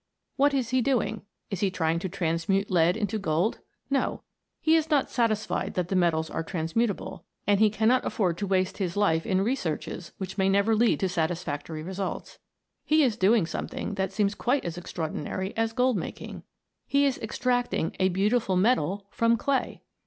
What is he doing 1 Is he trying to transmute lead into gold ? No, he is not satisfied that the metals are transmutable, and he cannot afford to waste his life in researches which may never lead to satisfac tory results. He is doing something which seems quite as extraordinary as gold making he is ex tracting a beautiful metal from clay